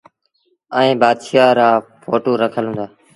ائيٚݩ بآشآهآن رآ ڦوٽو رکل هُݩدآ۔